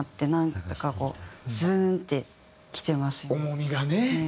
重みがね。